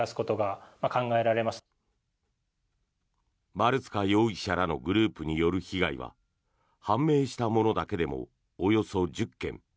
丸塚容疑者らのグループによる被害は判明したものだけでもおよそ１０件。